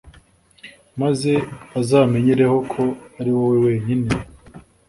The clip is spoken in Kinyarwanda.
maze bazamenyereho ko ari wowe wenyine